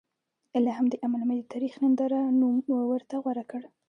له همدې امله مې د تاریخ ننداره نوم ورته غوره کړ.